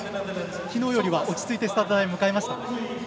きのうよりは落ち着いてスタート台に迎えましたか？